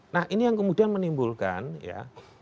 nah ini yang kemudian menimbulkan ya